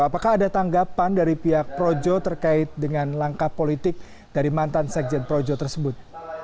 apakah ada tanggapan dari pihak projo terkait dengan langkah politik dari mantan sekjen projo tersebut